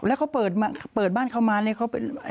แล้วเขาเปิดบ้านเขามาเลย